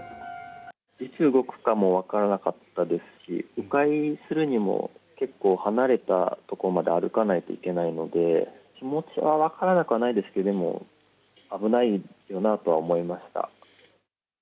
いつ動くかも分からなかったですし、う回するにも、結構離れた所まで歩かないといけないので、気持ちは分からなくはないですけれども、でも、危ないよなとは思いました。